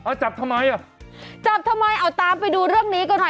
เอาจับทำไมอ่ะจับทำไมเอาตามไปดูเรื่องนี้กันหน่อย